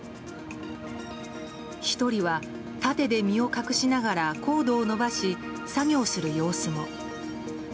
１人は盾で身を隠しながらコードを伸ばし作業する様子も。